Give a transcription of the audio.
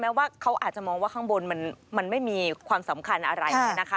ว่าเขาอาจจะมองว่าข้างบนมันไม่มีความสำคัญอะไรเนี่ยนะคะ